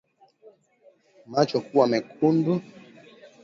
Macho kuwa mekundu